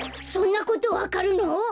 そんなことわかるの！？